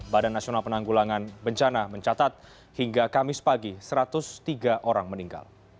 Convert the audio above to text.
badan nasional penanggulangan bencana mencatat hingga kamis pagi satu ratus tiga orang meninggal